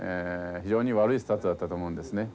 非常に悪いスタートだったと思うんですね。